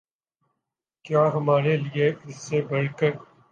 کیا ہمارے لیے اس سے بڑھ کر